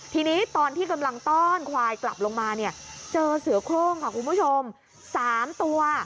ทีนี้ตอนที่กำลังต้อนควายกลับลงมาเนี่ยเจอเสือโครงค่ะคุณผู้ชม๓ตัว